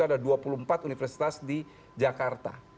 ada dua puluh empat universitas di jakarta